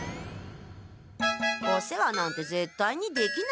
お世話なんてぜったいにできない。